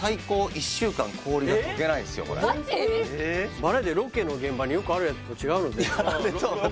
バラエティーロケの現場によくあるやつと違うの？